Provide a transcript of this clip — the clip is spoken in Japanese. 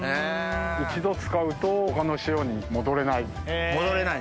一度使うと他の塩に戻れない。